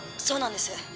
そうなんです。